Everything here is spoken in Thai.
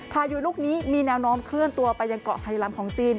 พายุลูกนี้มีแนวโน้มเคลื่อนตัวไปยังเกาะไฮลัมของจีน